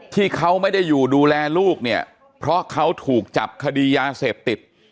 ที่เขาไม่ได้อยู่ดูแลลูกเนี่ยเพราะเขาถูกจับคดียาเสพติด